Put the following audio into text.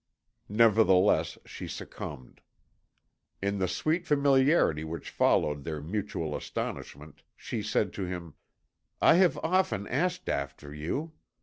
Nevertheless she succumbed. In the sweet familiarity which followed their mutual astonishment she said to him: "I have often asked after you.